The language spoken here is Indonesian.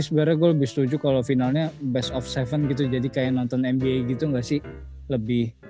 sebenernya gue lebih setuju kalo finalnya best of tujuh gitu jadi kayak nonton nba gitu gak sih